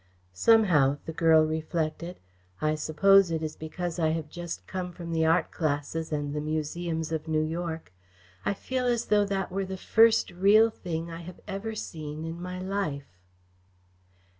"Somehow," the girl reflected "I suppose it is because I have just come from the art classes and the museums of New York I feel as though that were the first real thing I have ever seen in my life."